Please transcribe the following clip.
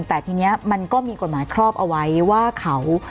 แต่ทีนี้มันก็มีกฎหมายครอบเอาไว้ว่าเขา